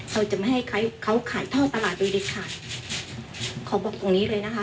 เราจะไม่ให้เขาเขาขายท่อตลาดโดยเด็ดขาดขอบอกตรงนี้เลยนะคะ